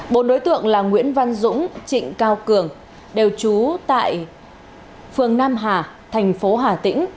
bốn đối tượng là nguyễn văn dũng trịnh cao cường đều trú tại phường nam hà thành phố hà tĩnh